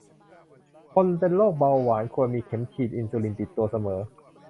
คนเป็นโรคเบาหวานควรมีเข็มฉีดอินซูลินติดตัวเสมอ